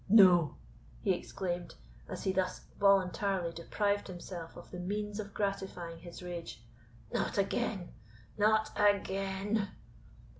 "No," he exclaimed, as he thus voluntarily deprived himself of the means of gratifying his rage; "not again not again!"